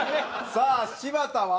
さあ柴田は？